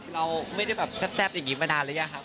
เราไม่ได้แซ่บอย่างนี้มาก่อนเลยค่ะ